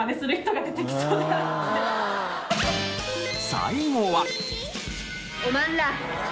最後は。